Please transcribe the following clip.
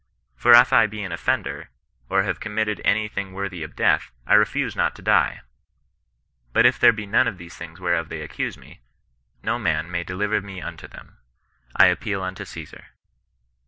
For if I he an offender, or have committed any thing worthy of death, I refuse not to die ; but if there be none of these things whereof they accuse me, no man may deliver me unto them. I appeal unto Ceesar."